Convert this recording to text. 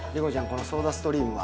このソーダストリームは？